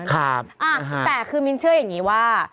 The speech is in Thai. แต่คือมิ้นเชื่ออย่างนี้ว่า